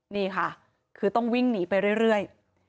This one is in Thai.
นี่ค่ะคือต้องวิ่งหนีไปเรื่อย